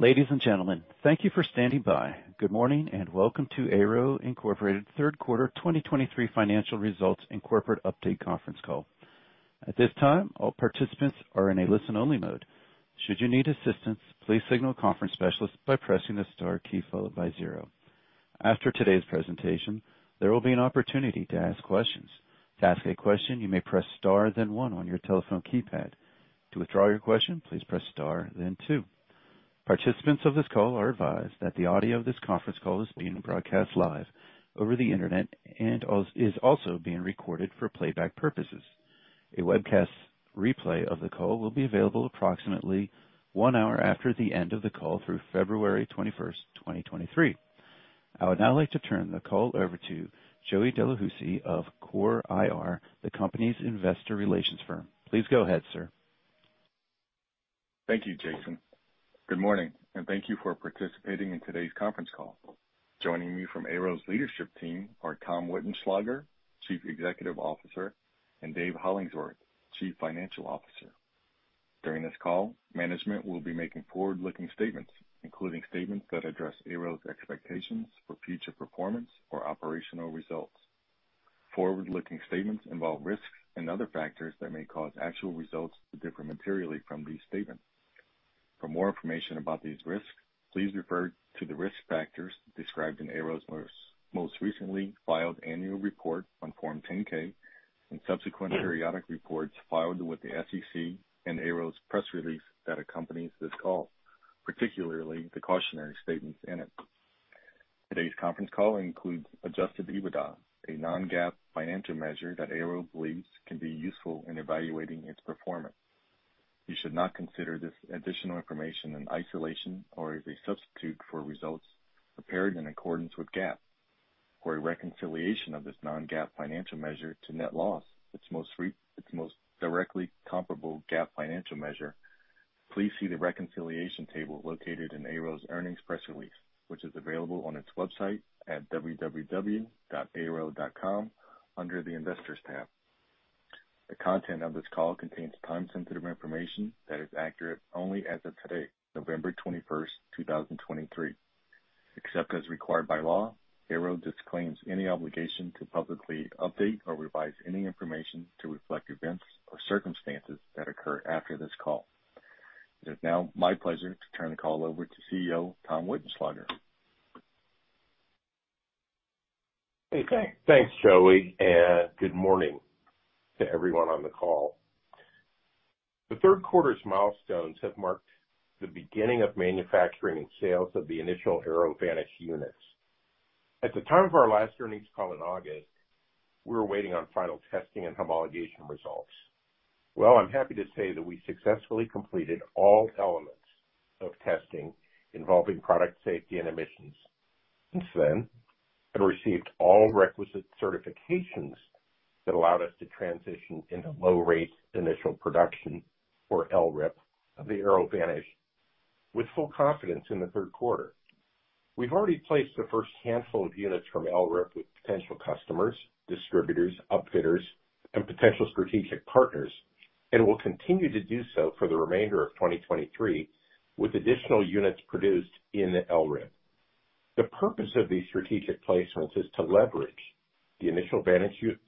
Ladies and gentlemen, thank you for standing by. Good morning, and welcome to AYRO, Inc. Third Quarter 2023 Financial Results and Corporate Update Conference call. At this time, all participants are in a listen-only mode. Should you need assistance, please signal a conference specialist by pressing the star key followed by zero. After today's presentation, there will be an opportunity to ask questions. To ask a question, you may press star, then 1 on your telephone keypad. To withdraw your question, please press star, then 2. Participants of this call are advised that the audio of this conference call is being broadcast live over the internet and is also being recorded for playback purposes. A webcast replay of the call will be available approximately one hour after the end of the call through February 21st, 2023. I would now like to turn the call over to Joey Delahoussaye of Core IR, the company's investor relations firm. Please go ahead, sir. Thank you, Jason. Good morning, and thank you for participating in today's conference call. Joining me from AYRO's leadership team are Tom Wittenschlaeger, Chief Executive Officer, and David Hollingsworth, Chief Financial Officer. During this call, management will be making forward-looking statements, including statements that address AYRO's expectations for future performance or operational results. Forward-looking statements involve risks and other factors that may cause actual results to differ materially from these statements. For more information about these risks, please refer to the risk factors described in AYRO's most recently filed annual report on Form 10-K and subsequent periodic reports filed with the SEC and AYRO's press release that accompanies this call, particularly the cautionary statements in it. Today's conference call includes Adjusted EBITDA, a non-GAAP financial measure that AYRO believes can be useful in evaluating its performance. You should not consider this additional information in isolation or as a substitute for results prepared in accordance with GAAP. For a reconciliation of this non-GAAP financial measure to net loss, its most directly comparable GAAP financial measure, please see the reconciliation table located in AYRO's earnings press release, which is available on its website at www.ayro.com under the Investors tab. The content of this call contains time-sensitive information that is accurate only as of today, November 21st, 2023. Except as required by law, AYRO disclaims any obligation to publicly update or revise any information to reflect events or circumstances that occur after this call. It is now my pleasure to turn the call over to CEO Tom Wittenschlaeger. Hey, thanks, Joey, and good morning to everyone on the call. The third quarter's milestones have marked the beginning of manufacturing and sales of the initial AYRO Vanish units. At the time of our last earnings call in August, we were waiting on final testing and homologation results. Well, I'm happy to say that we successfully completed all elements of testing involving product safety and emissions. Since then, have received all requisite certifications that allowed us to transition into low rate initial production, or LRIP, of the AYRO Vanish with full confidence in the third quarter. We've already placed the first handful of units from LRIP with potential customers, distributors, upfitters, and potential strategic partners, and will continue to do so for the remainder of 2023, with additional units produced in the LRIP. The purpose of these strategic placements is to leverage the initial Vanish units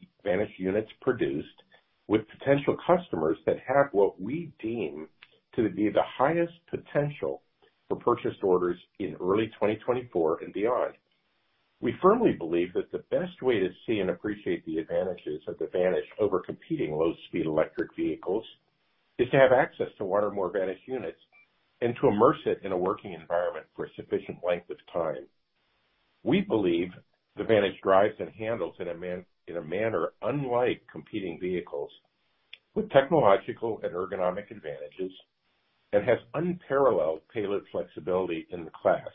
produced with potential customers that have what we deem to be the highest potential for purchase orders in early 2024 and beyond. We firmly believe that the best way to see and appreciate the advantages of the Vanish over competing low-speed electric vehicles is to have access to one or more Vanish units and to immerse it in a working environment for a sufficient length of time. We believe the Vanish drives and handles in a manner unlike competing vehicles, with technological and ergonomic advantages, and has unparalleled payload flexibility in the class.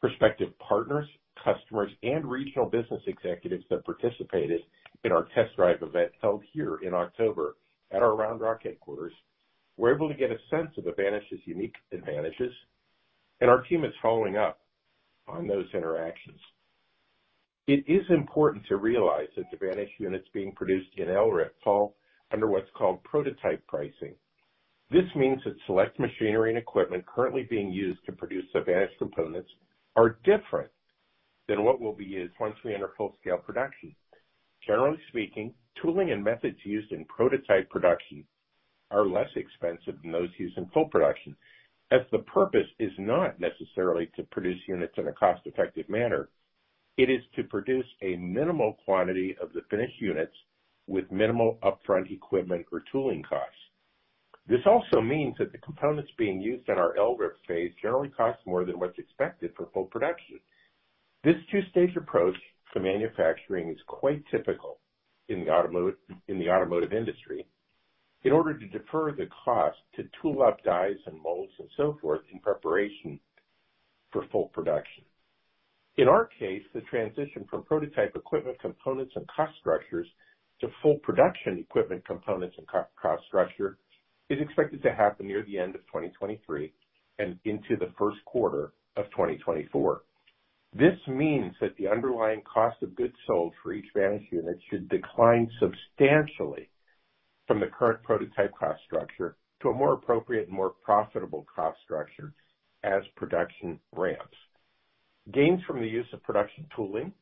Prospective partners, customers, and regional business executives that participated in our test drive event, held here in October at our Round Rock headquarters, were able to get a sense of the Vanish's unique advantages, and our team is following up on those interactions. It is important to realize that the Vanish units being produced in LRIP fall under what's called prototype pricing. This means that select machinery and equipment currently being used to produce the Vanish components are different than what will be used once we enter full-scale production. Generally speaking, tooling and methods used in prototype production are less expensive than those used in full production, as the purpose is not necessarily to produce units in a cost-effective manner. It is to produce a minimal quantity of the finished units with minimal upfront equipment or tooling costs. This also means that the components being used in our LRIP phase generally cost more than what's expected for full production. This two-stage approach to manufacturing is quite typical in the automotive, in the automotive industry, in order to defer the cost to tool up dies and molds and so forth in preparation for full production. In our case, the transition from prototype equipment, components, and cost structures to full production equipment, components, and cost structure is expected to happen near the end of 2023 and into the first quarter of 2024. This means that the underlying cost of goods sold for each Vanish unit should decline substantially from the current prototype cost structure to a more appropriate and more profitable cost structure as production ramps. Gains from the use of production tooling,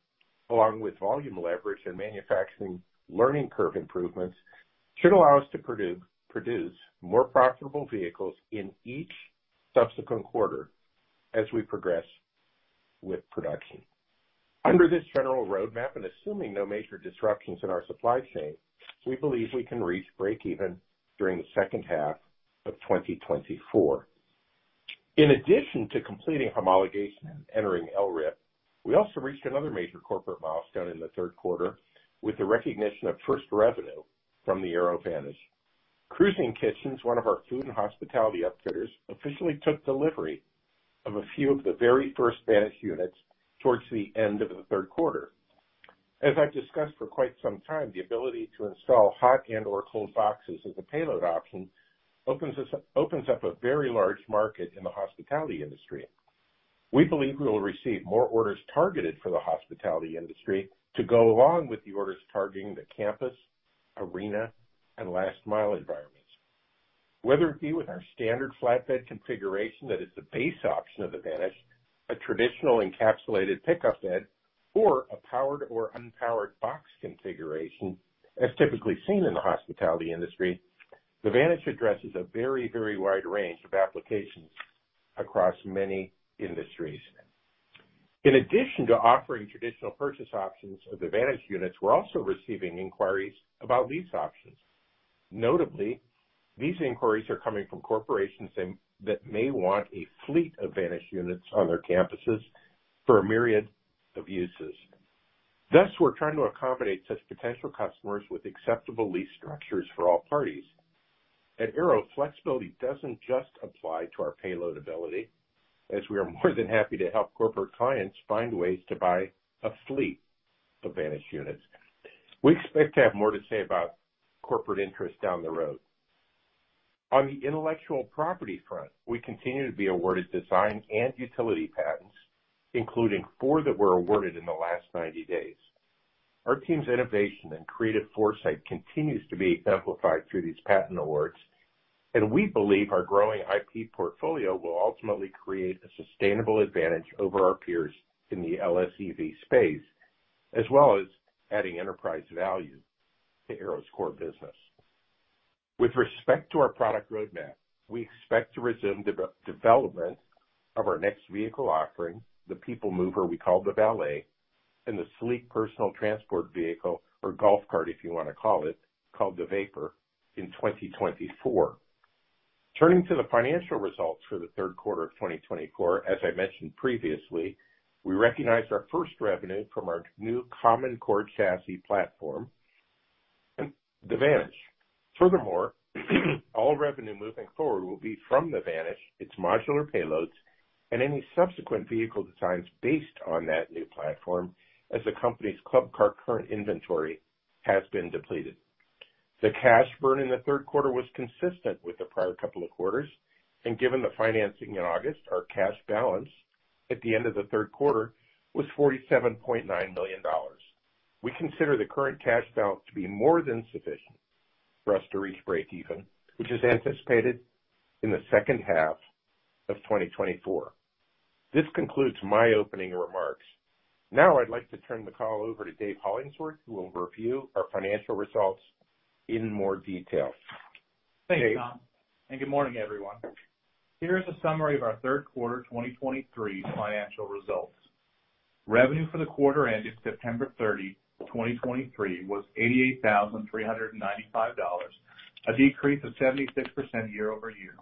along with volume leverage and manufacturing learning curve improvements, should allow us to produce more profitable vehicles in each subsequent quarter as we progress with production. Under this general roadmap, and assuming no major disruptions in our supply chain, we believe we can reach breakeven during the second half of 2024. In addition to completing homologation and entering LRIP, we also reached another major corporate milestone in the third quarter with the recognition of first revenue from the AYRO Vanish. Cruising Kitchens, one of our food and hospitality outfitters, officially took delivery of a few of the very first Vanish units towards the end of the third quarter. As I've discussed for quite some time, the ability to install hot and/or cold boxes as a payload option opens up a very large market in the hospitality industry. We believe we will receive more orders targeted for the hospitality industry to go along with the orders targeting the campus, arena, and last mile environments. Whether it be with our standard flatbed configuration, that is the base option of the Vanish, a traditional encapsulated pickup bed, or a powered or unpowered box configuration, as typically seen in the hospitality industry, the Vanish addresses a very, very wide range of applications across many industries. In addition to offering traditional purchase options of the Vanish units, we're also receiving inquiries about lease options. Notably, these inquiries are coming from corporations that may want a fleet of Vanish units on their campuses for a myriad of uses. Thus, we're trying to accommodate such potential customers with acceptable lease structures for all parties. At AYRO, flexibility doesn't just apply to our payload ability, as we are more than happy to help corporate clients find ways to buy a fleet of Vanish units. We expect to have more to say about corporate interest down the road. On the intellectual property front, we continue to be awarded design and utility patents, including four that were awarded in the last 90 days. Our team's innovation and creative foresight continues to be exemplified through these patent awards, and we believe our growing IP portfolio will ultimately create a sustainable advantage over our peers in the LSEV space, as well as adding enterprise value to AYRO's core business. With respect to our product roadmap, we expect to resume development of our next vehicle offering, the people mover we call the Valet, and the sleek personal transport vehicle, or golf cart, if you want to call it, called the Vapor, in 2024. Turning to the financial results for the third quarter of 2024, as I mentioned previously, we recognized our first revenue from our new Common Core Chassis platform, the Vanish. Furthermore, all revenue moving forward will be from the Vanish, its modular payloads, and any subsequent vehicle designs based on that new platform, as the company's Club Car Current inventory has been depleted. The cash burn in the third quarter was consistent with the prior couple of quarters, and given the financing in August, our cash balance at the end of the third quarter was $47.9 million. We consider the current cash balance to be more than sufficient for us to reach breakeven, which is anticipated in the second half of 2024. This concludes my opening remarks. Now I'd like to turn the call over to Dave Hollingsworth, who will review our financial results in more detail. Dave? Thanks, Tom, and good morning, everyone. Here is a summary of our third quarter 2023 financial results. Revenue for the quarter ending September 30, 2023, was $88,395, a decrease of 76% year-over-year.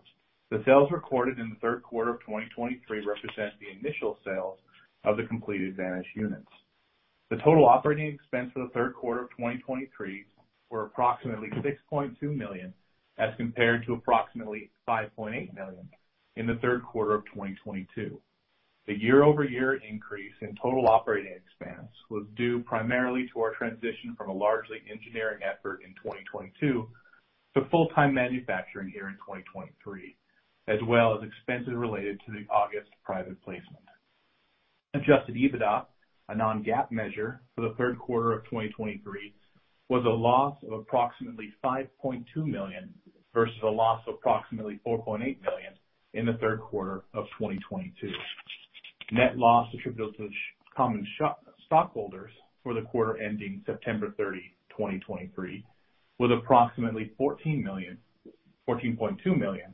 The sales recorded in the third quarter of 2023 represent the initial sales of the completed Vanish units. The total operating expense for the third quarter of 2023 were approximately $6.2 million, as compared to approximately $5.8 million in the third quarter of 2022. The year-over-year increase in total operating expense was due primarily to our transition from a largely engineering effort in 2022 to full-time manufacturing year in 2023, as well as expenses related to the August private placement. Adjusted EBITDA, a non-GAAP measure for the third quarter of 2023, was a loss of approximately $5.2 million, versus a loss of approximately $4.8 million in the third quarter of 2022. Net loss attributable to common stockholders for the quarter ending September 30, 2023, was approximately $14 million, $14.2 million,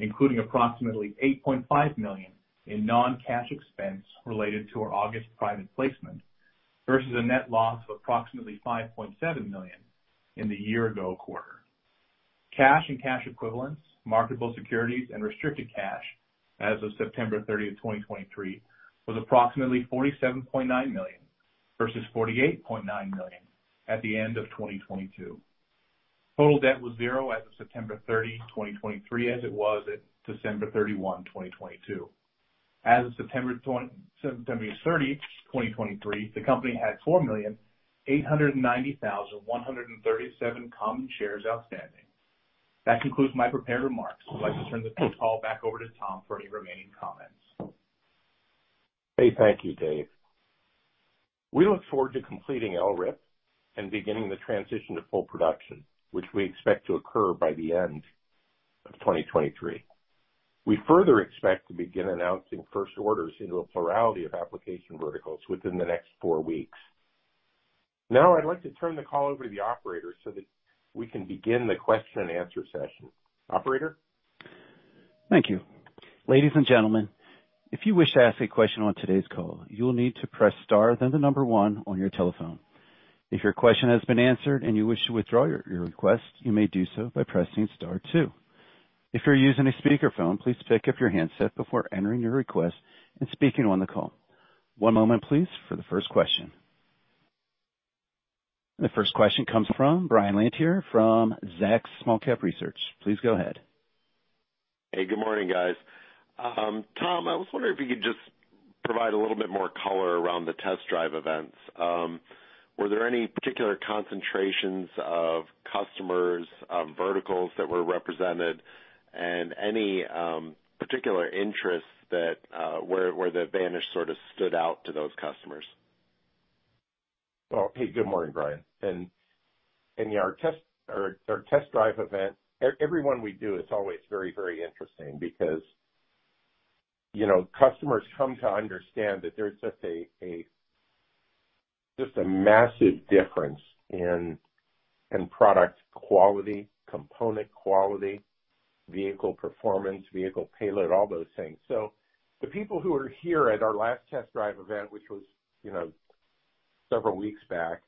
including approximately $8.5 million in non-cash expense related to our August private placement, versus a net loss of approximately $5.7 million in the year ago quarter. Cash and cash equivalents, marketable securities, and restricted cash as of September 30, 2023, was approximately $47.9 million versus $48.9 million at the end of 2022. Total debt was zero as of September 30, 2023, as it was at December 31, 2022. As of September thirtieth, 2023, the company had 4,890,137 common shares outstanding. That concludes my prepared remarks. I'd like to turn the call back over to Tom for any remaining comments. Hey, thank you, Dave. We look forward to completing LRIP and beginning the transition to full production, which we expect to occur by the end of 2023. We further expect to begin announcing first orders into a plurality of application verticals within the next 4 weeks. Now, I'd like to turn the call over to the operator, so that we can begin the question and answer session. Operator? Thank you. Ladies and gentlemen, if you wish to ask a question on today's call, you will need to press star, then the number one on your telephone. If your question has been answered and you wish to withdraw your request, you may do so by pressing star two. If you're using a speakerphone, please pick up your handset before entering your request and speaking on the call. One moment, please, for the first question. The first question comes from Brian Marckx from Zacks Small-Cap Research. Please go ahead. Hey, good morning, guys. Tom, I was wondering if you could just provide a little bit more color around the test drive events. Were there any particular concentrations of customers, verticals that were represented and any particular interests that where the Vanish sort of stood out to those customers? Well, hey, good morning, Brian, and yeah, our test drive event, every one we do, it's always very, very interesting because, you know, customers come to understand that there's just a massive difference in product quality, component quality, vehicle performance, vehicle payload, all those things. So the people who were here at our last test drive event, which was, you know, several weeks back,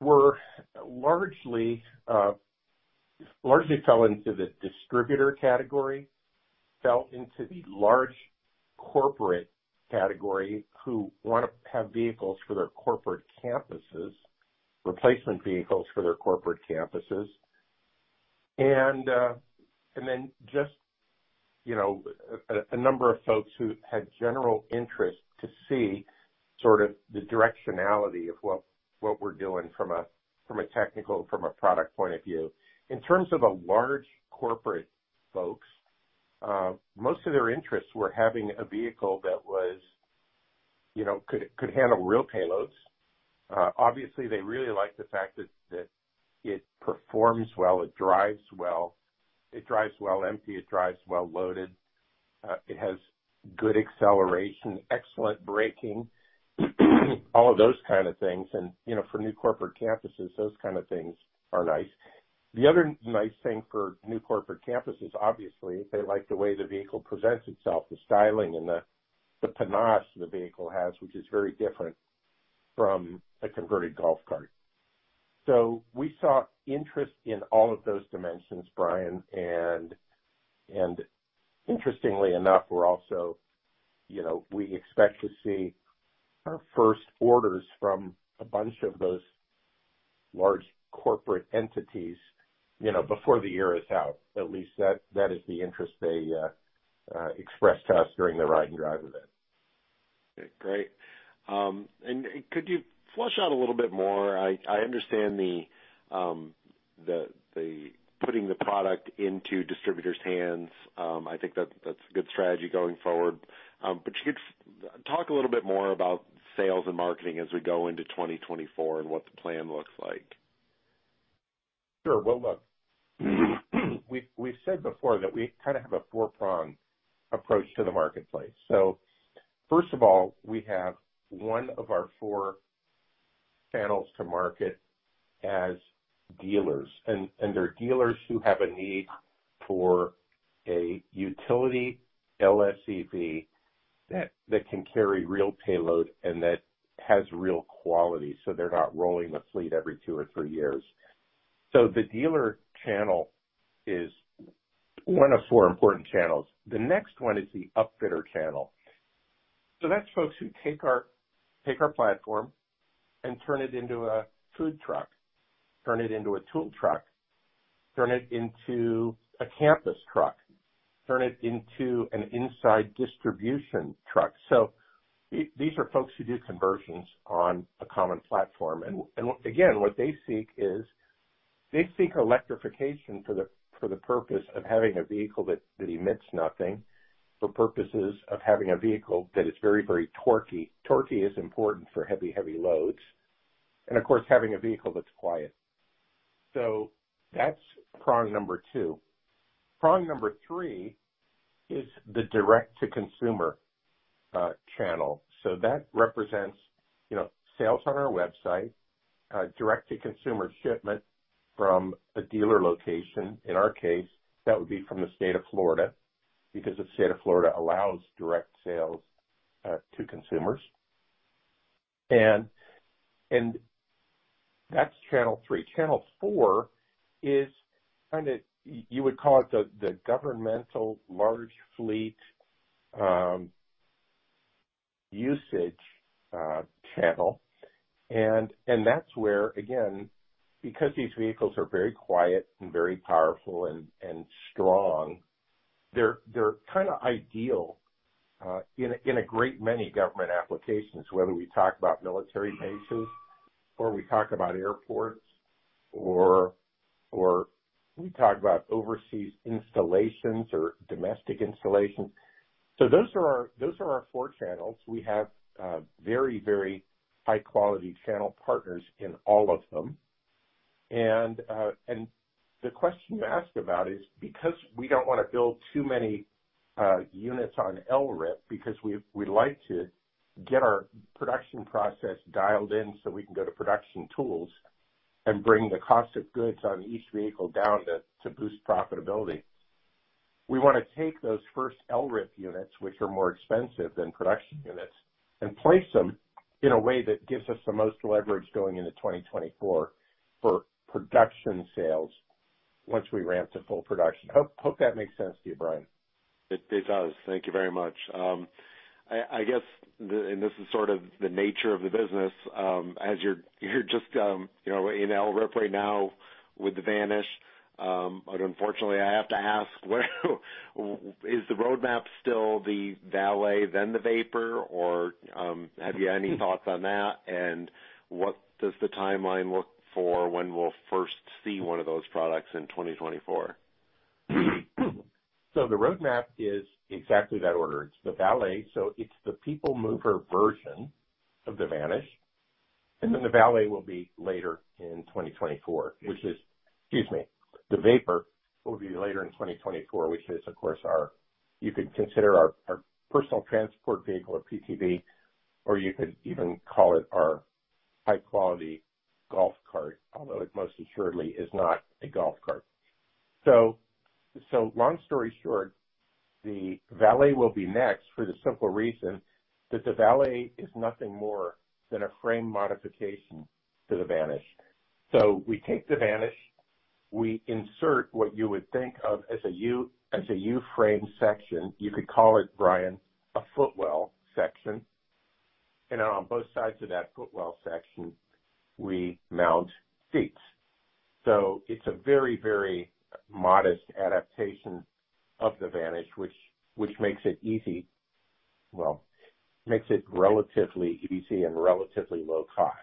were largely fell into the distributor category, fell into the large corporate category, who wanna have vehicles for their corporate campuses, replacement vehicles for their corporate campuses. And then just, you know, a number of folks who had general interest to see sort of the directionality of what we're doing from a technical, from a product point of view. In terms of the large corporate folks, most of their interests were having a vehicle that was, you know, could handle real payloads. Obviously, they really liked the fact that it performs well, it drives well, it drives well empty, it drives well loaded, it has good acceleration, excellent braking, all of those kind of things. And, you know, for new corporate campuses, those kind of things are nice. The other nice thing for new corporate campuses, obviously, they like the way the vehicle presents itself, the styling and the panache the vehicle has, which is very different from a converted golf cart. So we saw interest in all of those dimensions, Brian, and interestingly enough, we're also, you know, we expect to see our first orders from a bunch of those large corporate entities, you know, before the year is out. At least that is the interest they expressed to us during the ride and drive event. Okay, great. And could you flesh out a little bit more? I understand putting the product into distributors' hands. I think that's a good strategy going forward. But you could talk a little bit more about sales and marketing as we go into 2024 and what the plan looks like. Sure. Well, look, we've said before that we kind of have a four-prong approach to the marketplace. So first of all, we have one of our four channels to market as dealers, and they're dealers who have a need for a utility LSEV that can carry real payload and that has real quality, so they're not rolling the fleet every two or three years. So the dealer channel is one of four important channels. The next one is the upfitter channel. So that's folks who take our platform and turn it into a food truck, turn it into a tool truck, turn it into a campus truck, turn it into an inside distribution truck. So these are folks who do conversions on a common platform. And again, what they seek is, they seek electrification for the purpose of having a vehicle that emits nothing, for purposes of having a vehicle that is very, very torquey. Torquey is important for heavy, heavy loads, and of course, having a vehicle that's quiet. So that's prong number two. Prong number three is the direct-to-consumer channel. So that represents, you know, sales on our website, direct-to-consumer shipment from a dealer location. In our case, that would be from the state of Florida, because the state of Florida allows direct sales to consumers, and that's channel three. Channel four is kind of you would call it the governmental large fleet usage channel. That's where, again, because these vehicles are very quiet and very powerful and strong, they're kind of ideal in a great many government applications, whether we talk about military bases or we talk about airports, or we talk about overseas installations or domestic installations. So those are our four channels. We have very, very high quality channel partners in all of them. The question you asked about is because we don't want to build too many units on LRIP, because we'd like to get our production process dialed in so we can go to production tools and bring the cost of goods on each vehicle down to boost profitability. We wanna take those first LRIP units, which are more expensive than production units, and place them in a way that gives us the most leverage going into 2024 for production sales once we ramp to full production. Hope, hope that makes sense to you, Brian. It does. Thank you very much. And this is sort of the nature of the business, as you're just, you know, in LRIP right now with the Vanish. But unfortunately, I have to ask, where is the roadmap still the Valet, then the Vapor, or have you any thoughts on that? And what does the timeline look for when we'll first see one of those products in 2024? So the roadmap is exactly that order. It's the Valet, so it's the people mover version of the Vanish, and then the Valet will be later in 2024... Excuse me. The Vapor will be later in 2024, which is, of course, our—you could consider our personal transport vehicle or PTV, or you could even call it our high quality golf cart, although it most assuredly is not a golf cart. So, long story short, the Valet will be next, for the simple reason that the Valet is nothing more than a frame modification to the Vanish. So we take the Vanish, we insert what you would think of as a U frame section. You could call it, Brian, a footwell section, and on both sides of that footwell section, we mount seats. So it's a very, very modest adaptation of the Vanish, which makes it easy. Well, makes it relatively easy and relatively low cost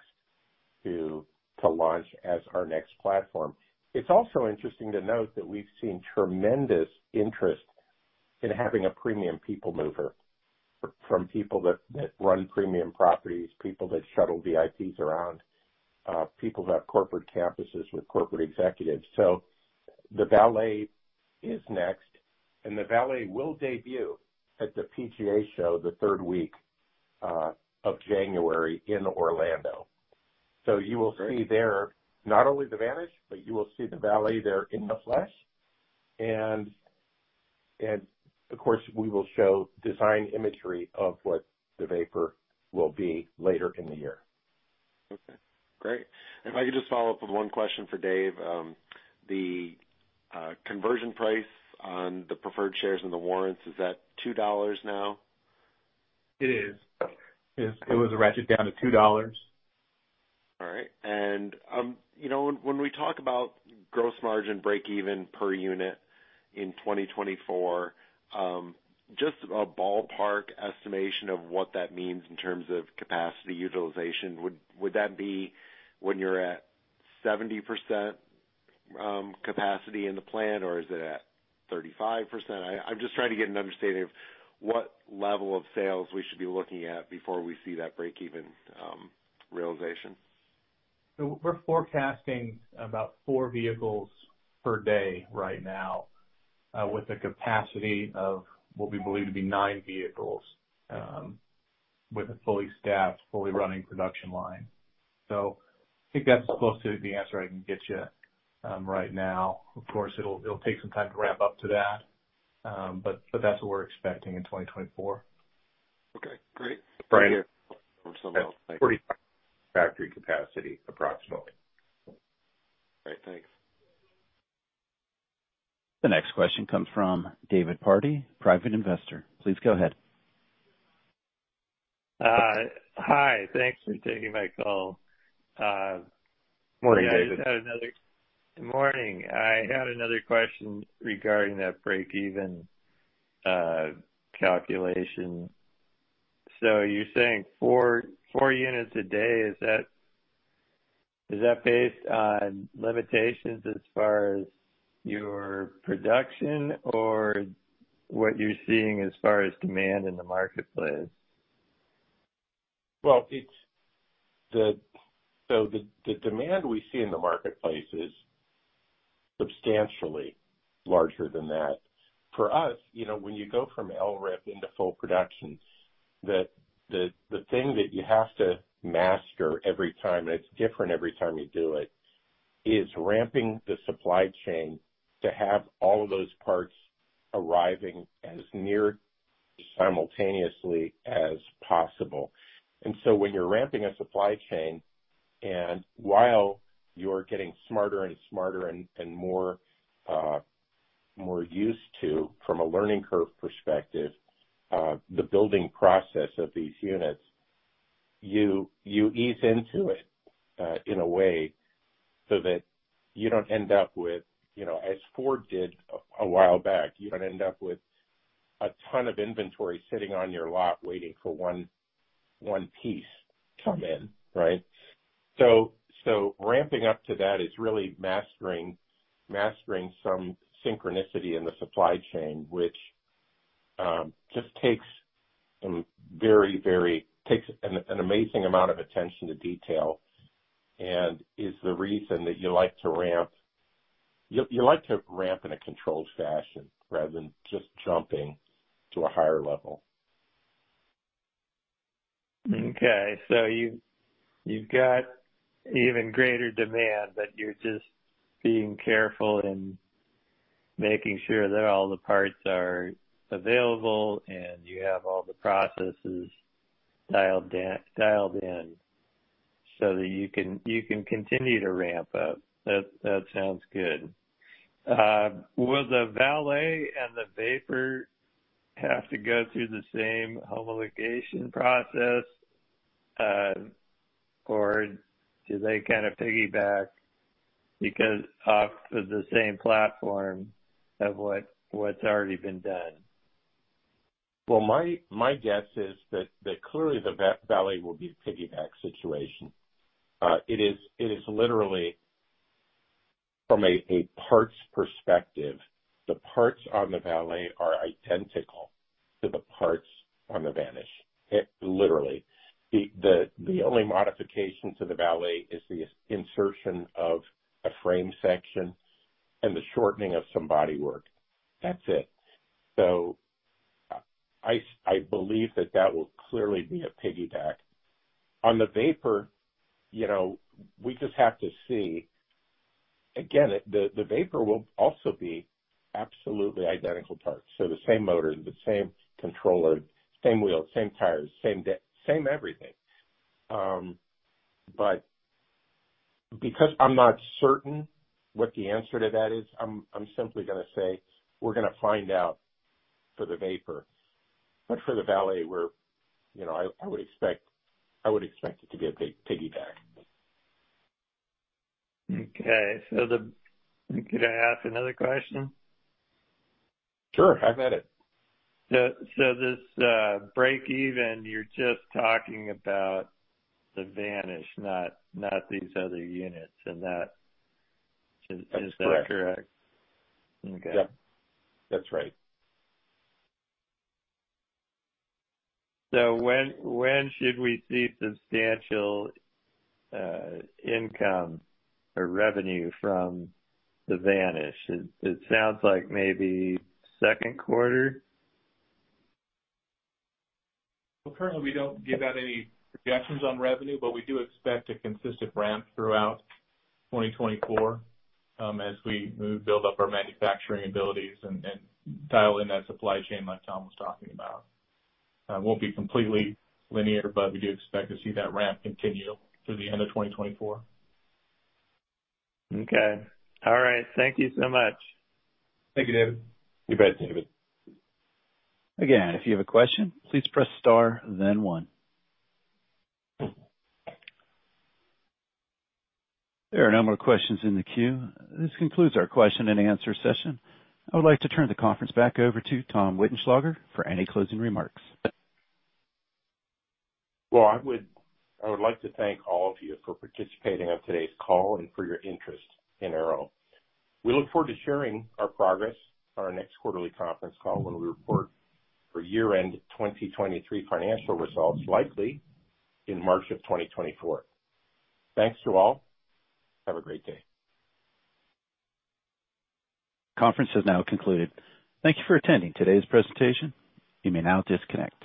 to launch as our next platform. It's also interesting to note that we've seen tremendous interest in having a premium people mover from people that run premium properties, people that shuttle VIPs around, people who have corporate campuses with corporate executives. So the Valet is next, and the Valet will debut at the PGA Show, the third week of January in Orlando. So you will see there, not only the Vanish, but you will see the Valet there in the flesh. And of course, we will show design imagery of what the Vapor will be later in the year. Okay, great. If I could just follow up with one question for Dave. The conversion price on the preferred shares and the warrants, is that $2 now? It is. It was ratcheted down to $2. All right. You know, when we talk about gross margin break even per unit in 2024, just a ballpark estimation of what that means in terms of capacity utilization, would that be when you're at 70% capacity in the plant, or is it at 35%? I'm just trying to get an understanding of what level of sales we should be looking at before we see that break even realization. So we're forecasting about four vehicles per day right now, with a capacity of what we believe to be 9 vehicles, with a fully staffed, fully running production line. So I think that's as close to the answer I can get you, right now. Of course, it'll take some time to ramp up to that, but that's what we're expecting in 2024. Okay, great. Brian, Thank you. 40 factory capacity, approximately. Great. Thanks. The next question comes from David Party, private investor. Please go ahead. Hi. Thanks for taking my call. Morning, David. Good morning. I had another question regarding that break-even calculation. So you're saying four, four units a day, is that based on limitations as far as your production or what you're seeing as far as demand in the marketplace? Well, so the demand we see in the marketplace is substantially larger than that. For us, you know, when you go from LRIP into full production, the thing that you have to master every time, and it's different every time you do it, is ramping the supply chain to have all of those parts arriving as near simultaneously as possible. And so when you're ramping a supply chain, and while you're getting smarter and smarter and more used to, from a learning curve perspective, the building process of these units, you ease into it in a way so that you don't end up with, you know, as Ford did a while back, you don't end up with a ton of inventory sitting on your lot waiting for one piece come in, right? So ramping up to that is really mastering some synchronicity in the supply chain, which just takes an amazing amount of attention to detail and is the reason that you like to ramp. You like to ramp in a controlled fashion rather than just jumping to a higher level. Okay, so you've got even greater demand, but you're just being careful in making sure that all the parts are available and you have all the processes dialed down, dialed in, so that you can continue to ramp up. That sounds good. Will the Valet and the Vapor have to go through the same homologation process, or do they kind of piggyback because off of the same platform of what's already been done? Well, my guess is that clearly the Valet will be a piggyback situation. It is literally from a parts perspective, the parts on the Valet are identical to the parts on the Vanish. It literally. The only modification to the Valet is the insertion of a frame section and the shortening of some bodywork. That's it. So I believe that that will clearly be a piggyback. On the Vapor, you know, we just have to see. Again, the Vapor will also be absolutely identical parts. So the same motor, the same controller, same wheels, same tires, same everything. But because I'm not certain what the answer to that is, I'm simply gonna say we're gonna find out for the Vapor. But for the Valet, you know, I would expect it to be a piggyback. Okay, so, can I ask another question? Sure. Have at it. So, so this breakeven, you're just talking about the Vanish, not, not these other units and that, is that correct? That's correct. Okay. Yeah. That's right. So when should we see substantial income or revenue from the Vanish? It sounds like maybe second quarter. Well, currently, we don't give out any projections on revenue, but we do expect a consistent ramp throughout 2024, as we move, build up our manufacturing abilities and, and dial in that supply chain, like Tom was talking about. Won't be completely linear, but we do expect to see that ramp continue through the end of 2024. Okay. All right. Thank you so much. Thank you, David. You bet, David. Again, if you have a question, please press star then one. There are no more questions in the queue. This concludes our question and answer session. I would like to turn the conference back over to Tom Wittenschlaeger for any closing remarks. Well, I would like to thank all of you for participating on today's call and for your interest in AYRO. We look forward to sharing our progress on our next quarterly conference call, when we report for year-end 2023 financial results, likely in March 2024. Thanks to all. Have a great day. Conference is now concluded. Thank you for attending today's presentation. You may now disconnect.